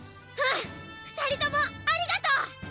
うん２人ともありがとう！